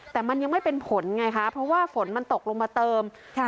แต่มันยังไม่เป็นผลไงคะเพราะว่าฝนมันตกลงมาเติมค่ะ